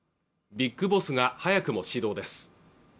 ビッグボスが早くも始動です